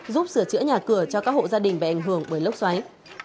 giúp sửa chữa nhà cửa cho các hộ gia đình bị ảnh hưởng bởi lốc xoáy